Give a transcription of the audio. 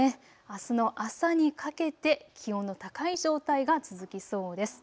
あすの朝にかけて気温の高い状態が続きそうです。